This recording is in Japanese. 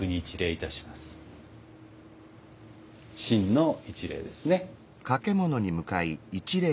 「真」の一礼ですね。